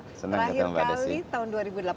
terakhir kali tahun dua ribu delapan belas